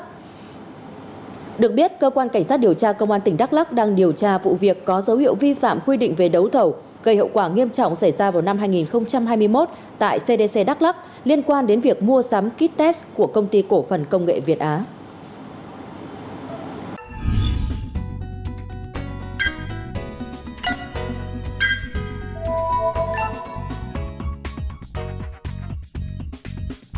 trước đó cơ quan cảnh sát điều tra công an tỉnh đắk lắc cũng đề nghị các tổ chức tín dụng tại đắk lắc tạm dừng ngay các giao dịch rút tiền chuyển tiền giao dịch phát sinh nợ đối với tài khoản của giám đốc cdc đắk lắc